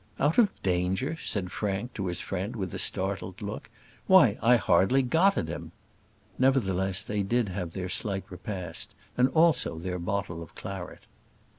"Out of danger!" said Frank to his friend with a startled look. "Why I hardly got at him." Nevertheless, they did have their slight repast, and also their bottle of claret.